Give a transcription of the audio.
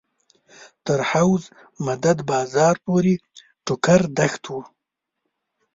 تر حوض مدد بازار پورې ټوکر دښت و.